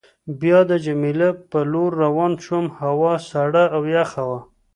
بیا د جميله په لور روان شوم، هوا سړه او یخه وه.